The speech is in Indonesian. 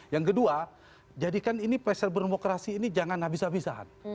yang kedua jadikan ini peser bermokrasi ini jangan abis abisan